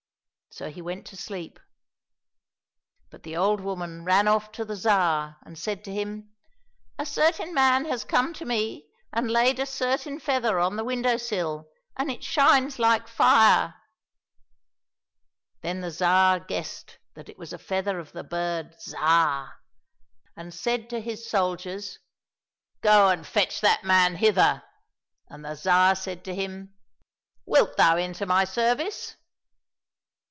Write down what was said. So he went to sleep. But the old woman ran off to the Tsar, and said to him, '* A certain man has come to me and laid a certain feather on the window sill, and it shines like fire !" Then the Tsar guessed that it was a feather of the bird Zhar, and R 257 COSSACK FAIRY TALES said to his soldiers, " Go and fetch that man hither !" And the Tsar said to him, " Wilt thou enter my ser vice